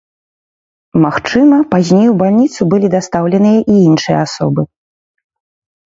Магчыма, пазней ў бальніцу былі дастаўленыя і іншыя асобы.